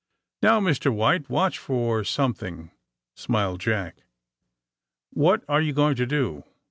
^^Now, Mr. White, watch for something,'* smiled Jack. ^^What are yon going to do?"